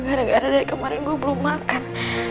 gara gara dari kemarin gue belum makan